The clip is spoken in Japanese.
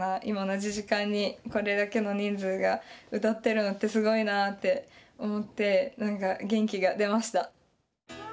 今同じ時間にこれだけの人数が歌ってるのってすごいなって思って何か元気が出ました。